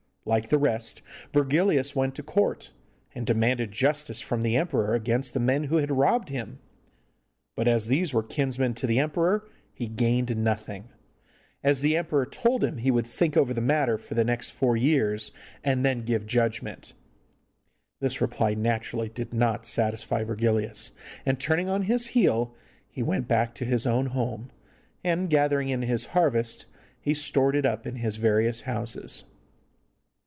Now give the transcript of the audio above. Like the rest, Virgilius went to court, and demanded justice from the emperor against the men who had robbed him. But as these were kinsmen to the emperor he gained nothing, as the emperor told him he would think over the matter for the next four years, and then give judgment. This reply naturally did not satisfy Virgilius, and, turning on his heel, he went back to his own home, and, gathering in his harvest, he stored it up in his various houses.